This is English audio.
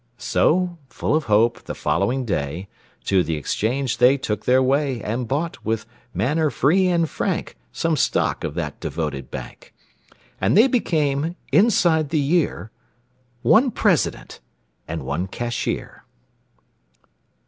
So, full of hope, the following day To the exchange they took their way And bought, with manner free and frank, Some stock of that devoted bank; And they became, inside the year, One President and one Cashier.